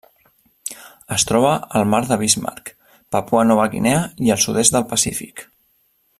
Es troba al Mar de Bismarck, Papua Nova Guinea i el sud-est del Pacífic.